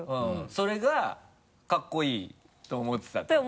それがカッコイイと思ってたと。